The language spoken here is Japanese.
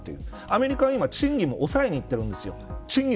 アメリカは今、賃金も抑えにいってます。